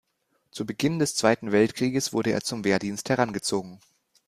Zu Beginn des Zweiten Weltkrieges wurde er zum Wehrdienst herangezogen.